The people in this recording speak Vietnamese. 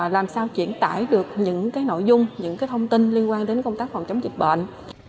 làm sao triển tải được những cái nội dung những cái thông tin liên quan đến công tác phòng chống dịch bệnh